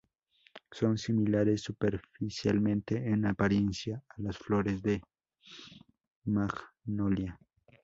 Son similares superficialmente en apariencia a las flores de "Magnolia".